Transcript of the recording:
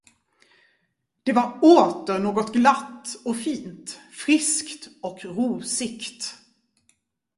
Det var åter något glatt och fint, friskt och rosigt.